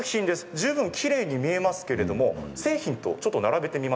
十分きれいに見えますけれども製品とちょっと並べてみますね。